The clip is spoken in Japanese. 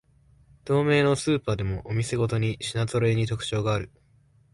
同名のスーパーでもお店ごとに品ぞろえに特徴がある